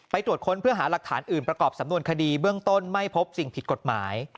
ตรวจค้นเพื่อหาหลักฐานอื่นประกอบสำนวนคดีเบื้องต้นไม่พบสิ่งผิดกฎหมาย